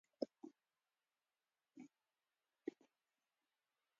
کوپریانو د بیرل جوړولو کاروبار کاوه.